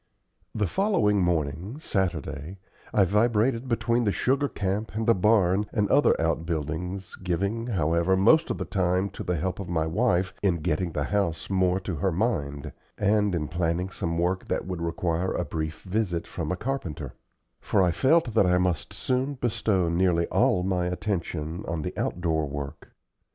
The following morning Saturday I vibrated between the sugar camp and the barn and other out buildings, giving, however, most of the time to the help of my wife in getting the house more to her mind, and in planning some work that would require a brief visit from a carpenter; for I felt that I must soon bestow nearly all my attention on the outdoor work.